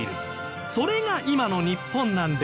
それが今の日本なんです。